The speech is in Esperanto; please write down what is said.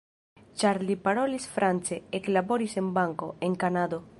Ĉar li parolis france, eklaboris en banko, en Kanado.